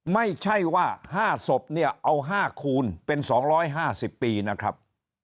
ไม่ใช่ว่า๕ศพเนี่ยเอา๕คูณเป็น๒๕๐ปีนะครับ